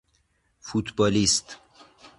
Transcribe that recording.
فوتبالیست